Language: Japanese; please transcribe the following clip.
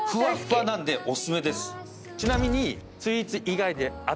ちなみに。